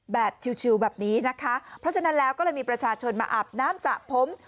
ชิวแบบนี้นะคะเพราะฉะนั้นแล้วก็เลยมีประชาชนมาอาบน้ำสระผม